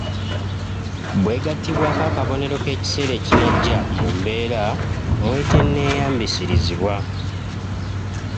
Bw’egattibwako akabonero k’ekiseera ekinajja mu mbeera mw’etenneeyambisirizibwa.